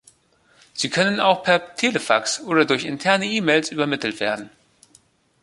Sie können auch per Telefax oder durch interne E-Mails übermittelt werden.